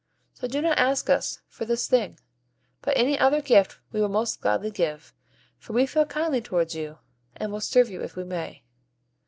So do not ask us for this thing; but any other gift we will most gladly give, for we feel kindly towards you, and will serve you if we may."